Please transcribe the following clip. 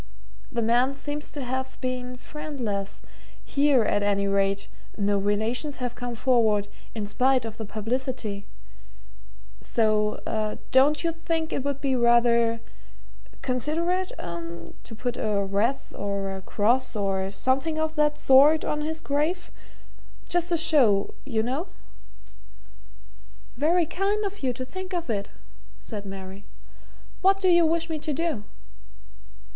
The man seems to have been friendless; here, at any rate no relations have come forward, in spite of the publicity so don't you think it would be rather considerate, eh? to put a wreath, or a cross, or something of that sort on his grave just to show you know?" "Very kind of you to think of it," said Mary. "What do you wish me to do?"